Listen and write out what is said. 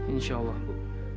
insya allah bu